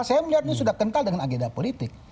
saya melihat ini sudah kental dengan agenda politik